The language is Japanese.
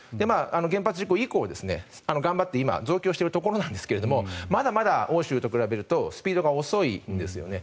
原発事故以降、頑張って増強しているところなんですがまだまだ欧州と比べるとスピードが遅いんですね。